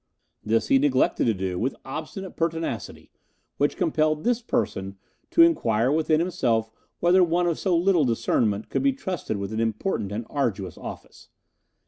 This he neglected to do with obstinate pertinacity, which compelled this person to inquire within himself whether one of so little discernment could be trusted with an important and arduous office.